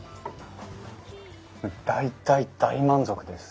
大大大満足です。